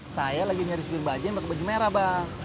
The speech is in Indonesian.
saya lagi nyari supir baja yang pake baju merah bang